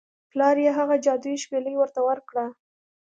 پلار یې هغه جادويي شپیلۍ ورته ورکړه.